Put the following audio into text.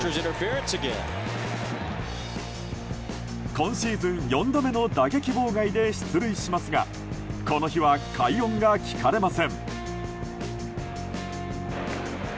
今シーズン４度目の打撃妨害で出塁しますがこの日は快音が聞かれません。